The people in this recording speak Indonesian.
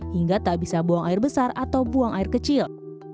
hingga tak bisa buang air besar atau buang air kecil